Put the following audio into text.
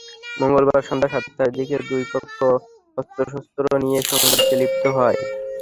মঙ্গলবার সন্ধ্যা সাতটার দিকে দুই পক্ষ অস্ত্রশস্ত্র নিয়ে সংঘর্ষে লিপ্ত হয়।